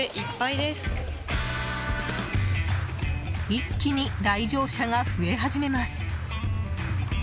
一気に来場者が増え始めます。